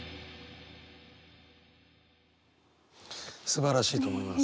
すばらしいと思います。